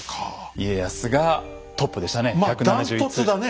家康がトップでしたね。